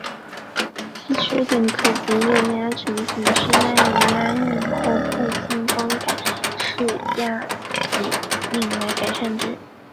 此缺点可藉热压成形式奈米压印或步进光感式奈米压印来改善之。